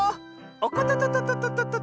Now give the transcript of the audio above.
おこととととと。